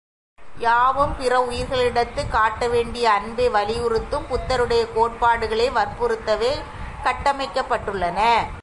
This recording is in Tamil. யாவும் பிறவுயிர்களிடத்துக் காட்ட வேண்டிய அன்பை வலியுறுத்தும் புத்தருடைய கோட்பாடுகளை வற்புறுத்தவே கட்டமைக்கப் பட்டுள்ளன.